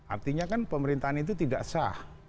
artinya kan pemerintahan itu tidak sah